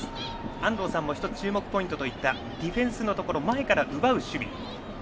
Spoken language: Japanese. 安藤さんも１つ注目ポイントといったディフェンスのところ前から奪う守備。